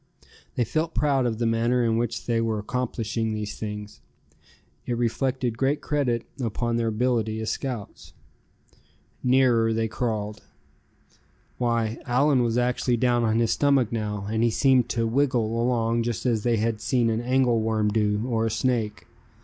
They felt proud of the manner in which they were accomplishing these things. It reflected great credit upon their ability as scouts. Nearer they crawled. Why, Allan was actually down on his stomach now, and he seemed to "wiggle" along just as they had seen an angle worm do, or a snake.